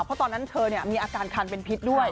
เพราะตอนนั้นเธอมีอาการคันเป็นพิษด้วย